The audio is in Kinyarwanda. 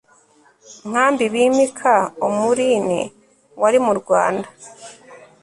nkambi bimika Omurin wari mu Rwanda